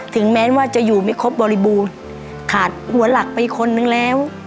ถึงแม้ว่าจะอยู่ไม่ครบบริบูรณ์ขาดหัวหลักไปคนนึงแล้ว